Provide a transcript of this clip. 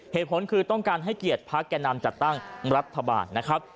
เหตุผลคือต้องการให้เกียรติพักแก่นำจัดตั้งรัฐบาลนะครับ